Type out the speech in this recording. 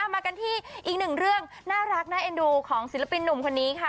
มากันที่อีกหนึ่งเรื่องน่ารักน่าเอ็นดูของศิลปินหนุ่มคนนี้ค่ะ